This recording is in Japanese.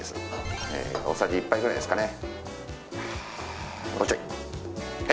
大さじ１杯くらいですかね。